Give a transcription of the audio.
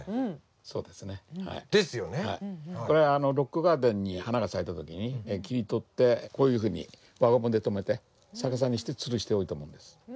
そうですね。ですよね！これはロックガーデンに花が咲いた時に切り取ってこういうふうに輪ゴムで留めて逆さにしてつるしておいたものです。